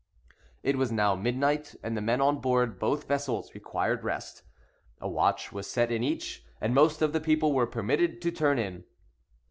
It was now midnight, and the men on board both vessels required rest. A watch was set in each, and most of the people were permitted to turn in.